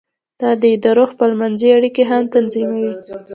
دا د ادارو خپل منځي اړیکې هم تنظیموي.